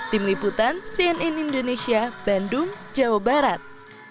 tim liputan cnn indonesia bandung jawa barat